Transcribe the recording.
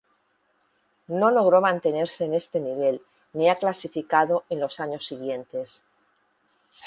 No logró mantenerse en este nivel ni ha clasificado en los años siguientes.